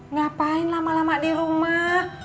ngapain lama lama di rumah